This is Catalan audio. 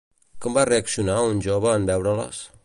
Com va reaccionar un jove en veure-les?